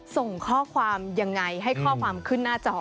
ส่งข้อความยังไงให้ข้อความขึ้นหน้าจอ